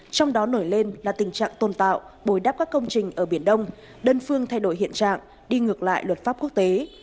trong đó nổi lên là tình trạng tồn tạo bồi đáp các công trình ở biển đông đơn phương thay đổi hiện trạng đi ngược lại luật pháp quốc tế